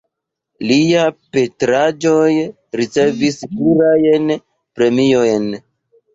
Liaj pentraĵoj ricevis plurajn premiojn.